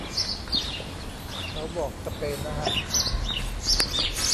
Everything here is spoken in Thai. เขาบอกสเปนนะฮะ